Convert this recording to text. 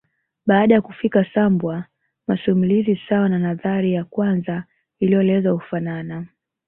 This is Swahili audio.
Baada ya kufika Sambwa masimulizi sawa na nadhari ya kwanza iliyoelezwa hufanana